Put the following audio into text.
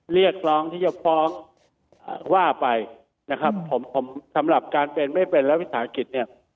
เรียกร้องที่จะฟ้องว่าไปนะครับผมผมสำหรับการเป็นไม่เป็นและวิสาหกิจเนี่ย